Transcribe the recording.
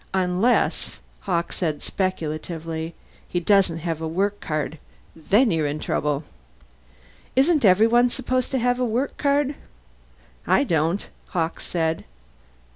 Unless," Hawkes said speculatively, "he doesn't have a work card. Then you're in trouble." "Isn't everyone supposed to have a work card?" "I don't," Hawkes said.